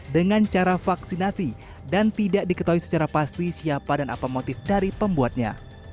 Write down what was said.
dengan cara vaksinasi dan tidak diketahui secara pasti siapa dan apa motif dari pembuatnya